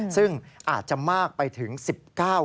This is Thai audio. ซึ่งอาจจะมากไปถึง๑๙คน